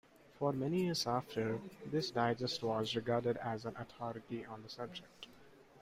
For many years after, this Digest was regarded as an authority on the subject.